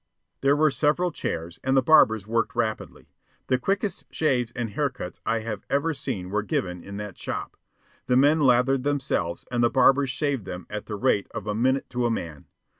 There were several chairs, and the barbers worked rapidly. The quickest shaves and hair cuts I have ever seen were given in that shop. The men lathered themselves, and the barbers shaved them at the rate of a minute to a man.